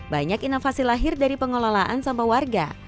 banyak inovasi lahir dari pengelolaan sampah warga